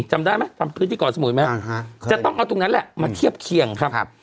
จำได้ไหมทำพื้นที่เกาะสมุยไหมจะต้องเอาตรงนั้นแหละมาเทียบเคียงครับ